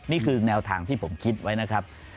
นี่คือแนวทางที่ผมคิดไว้นะครับ